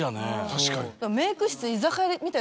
確かに。